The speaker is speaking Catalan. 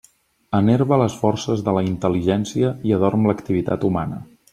Enerva les forces de la intel·ligència i adorm l'activitat humana.